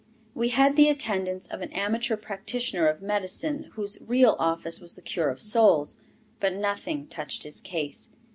We had the attendance of an amateur practitioner of medicine, whose real office was the cure of souls, but nothing touched his case.